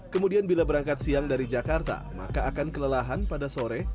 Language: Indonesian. kemudian bila berangkat siang dari jakarta maka akan kelelahan pada sore